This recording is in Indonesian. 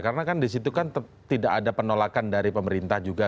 karena kan disitu kan tidak ada penolakan dari pemerintah juga